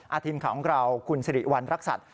อาทิมของเราคุณสิริวัณรักษัตริย์